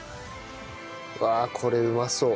うわあこれうまそう。